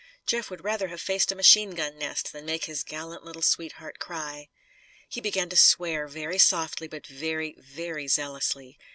Jeff would rather have faced a machine gun nest than make his gallant little sweetheart cry. He began to swear, very softly but very, very zealously.